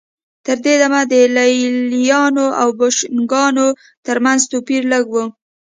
تر دې دمه د لېلیانو او بوشنګانو ترمنځ توپیر لږ و